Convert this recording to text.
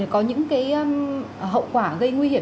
có những cái hậu quả gây nguy hiểm